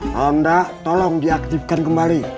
tonda tolong diaktifkan kembali